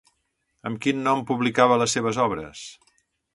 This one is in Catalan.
Amb quin nom publicava les seves obres?